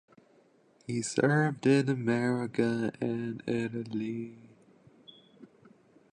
He served in Africa and Italy.